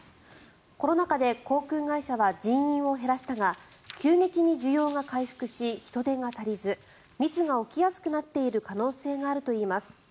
コロナ禍で航空会社は人員を減らしたが急激に需要が回復し人手が足りずミスが起きやすくなっている可能性があるといいます。